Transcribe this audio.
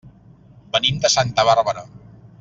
Venim de Santa Bàrbara.